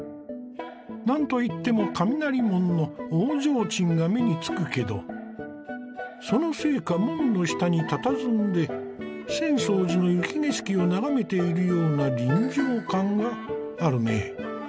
何といっても雷門の大提灯が目につくけどそのせいか門の下にたたずんで浅草寺の雪景色を眺めているような臨場感があるね。